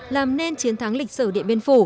làm nên chiến thắng lịch sử điện biên phủ